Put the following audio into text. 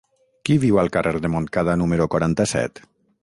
Qui viu al carrer de Montcada número quaranta-set?